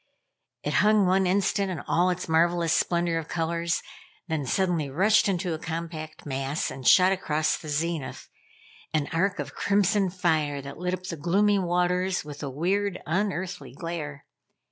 It hung one instant in all its marvelous splendor of colors, then suddenly rushed into a compact mass, and shot across the zenith, an arc of crimson fire that lit up the gloomy waters with a weird, unearthly glare.